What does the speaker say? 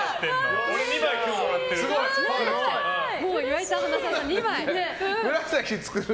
俺、２枚今日もらってる。